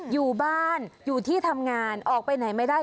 อยู่บ้านอยู่ที่ทำงานออกไปไหนไม่ได้